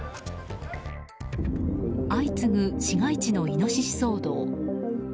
相次ぐ、市街地のイノシシ騒動。